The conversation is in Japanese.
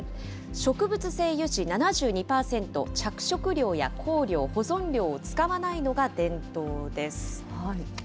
植物性油脂７２％、着色料や香料、保存料を使わないのが伝統です。